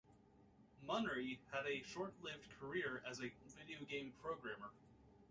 Munnery had a short lived career as a video game programmer.